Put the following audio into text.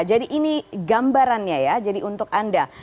jadi ini gambarannya ya jadi untuk anda